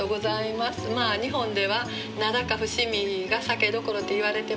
まあ日本では灘か伏見が酒どころといわれてますので。